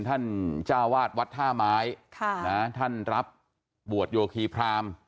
ท่านจ้าวาสไวท์ธะไม้ท่านรับบวชโยคีพราม